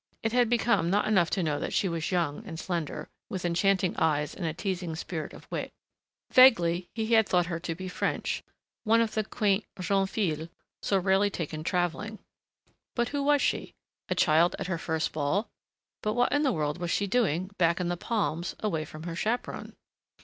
It had become not enough to know that she was young and slender, with enchanting eyes and a teasing spirit of wit.... Vaguely he had thought her to be French, one of the quaint jeunes filles so rarely taken traveling. But who was she? A child at her first ball? But what in the world was she doing, back in the palms, away from her chaperon?